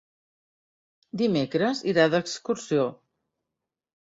Dimecres irà d'excursió.